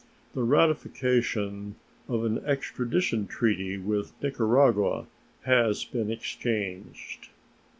The ratification of an extradition treaty with Nicaragua has been exchanged.